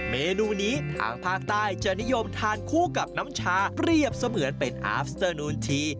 เมนูนี้ทางภาคใต้จะนิยมทานคู่กับน้ำชาเปรียบเสมือนเป็นอาฟสเตอร์นูนที